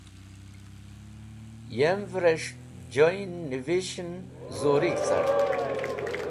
Yemvẽr res̃h joyn nẽvishẽn zurig̃h cart.